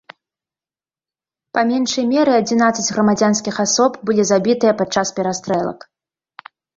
Па меншай меры адзінаццаць грамадзянскіх асоб былі забітыя падчас перастрэлак.